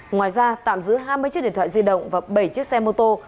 ngoài ra tạm giữ hai mươi chiếc điện thoại di động và bảy chiếc xe mô tô